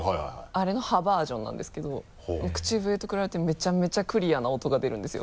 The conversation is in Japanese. あれの歯バージョンなんですけど口笛と比べてめちゃめちゃクリアな音が出るんですよ。